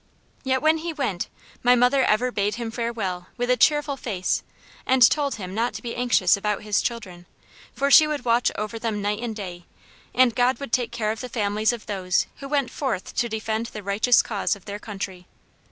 Yet when he went, my mother ever bade him farewell with a cheerful face, and told him not to be anxious about his children, for she would watch over them night and day, and God would take care of the families of those who went forth to defend the righteous cause of their country.